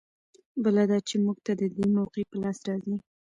بله دا چې موږ ته د دې موقعې په لاس راځي.